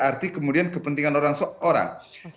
berarti kemudian kepentingan orang seorang